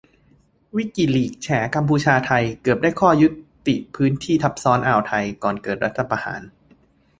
"วิกิลีกส์" แฉ "กัมพูชา-ไทย" เกือบได้ข้อยุติพื้นที่ทับซ้อนอ่าวไทย ก่อนเกิดรัฐประหาร